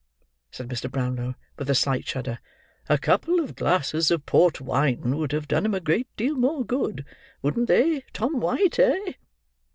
said Mr. Brownlow, with a slight shudder; "a couple of glasses of port wine would have done him a great deal more good. Wouldn't they, Tom White, eh?"